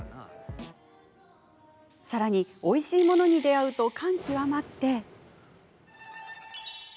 さらに、おいしいものに出会うと感極まって。